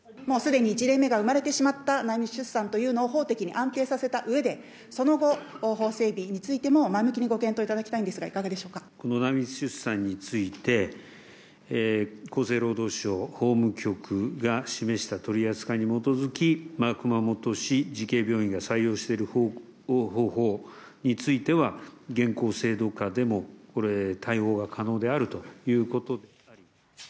もうすでに１例目が生まれてしまった内密出産というのを法的に安定させたうえで、その後、法整備についても前向きにご検討いただきたいんですが、いかがでこの内密出産について、厚生労働省、法務局が示した取り扱いに基づき、まず熊本市慈恵病院が採用している方法については、現行制度下でもこれ、対応が可能であるということ。